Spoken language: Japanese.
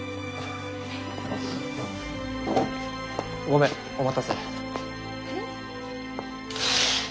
ごめんお待たせ。